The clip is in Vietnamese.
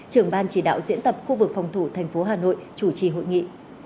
trưởng ban chỉ đạo diễn tập khu vực phòng thủ thành phố hà nội chủ trì hội nghị